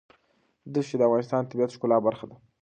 دښتې د افغانستان د طبیعت د ښکلا برخه ده.